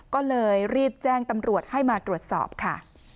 ก็เลยรีบแจ้งตำรวจให้มาตรวจสอบค่ะ